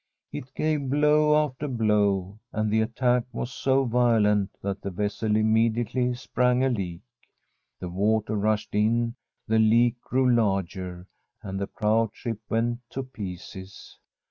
It gave blow after blow, and the attack was so violent that the vessel im mediately sprang a leak. The water rushed in, the leak grew larger, and the proud ship went to pieces.